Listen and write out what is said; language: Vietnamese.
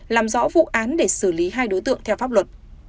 làm rõ vụ án để xử lý hai đối tượng theo pháp luật